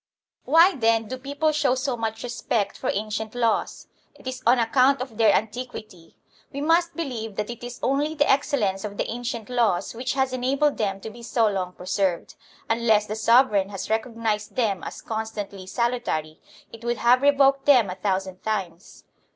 Why, then, do people show so much respect for ancient laws? It is on account of their antiquity. We must believe that it is only the excellence of the ancient laws which has enabled them to be so long preserved; unless the sovereign has recognized them as constantly salutary, it would have revoked them a thousand times.